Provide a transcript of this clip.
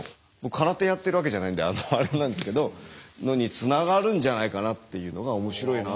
空手やってるわけじゃないんであれなんですけどのにつながるんじゃないかなっていうのが面白いなって。